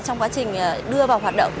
trong quá trình đưa vào hoạt động